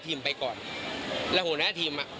ผมเป็นทนายของพี่นี่แหละ